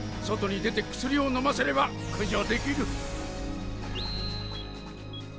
外に出て薬をのませれば駆除できる。